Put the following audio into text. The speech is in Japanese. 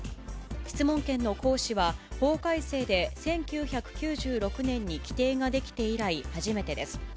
質問権の行使は法改正で１９９６年に規定が出来て以来初めてです。